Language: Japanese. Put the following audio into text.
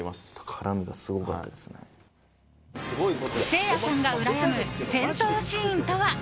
せいやさんがうらやむ戦闘シーンとは？